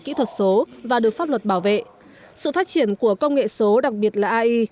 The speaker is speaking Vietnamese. kỹ thuật số và được pháp luật bảo vệ sự phát triển của công nghệ số đặc biệt là ai